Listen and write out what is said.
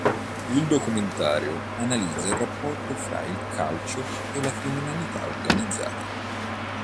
Il documentario analizza il rapporto fra calcio e criminalità organizzata.